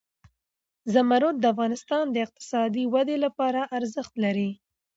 زمرد د افغانستان د اقتصادي ودې لپاره ارزښت لري.